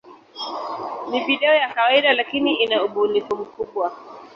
Ni video ya kawaida, lakini ina ubunifu mkubwa.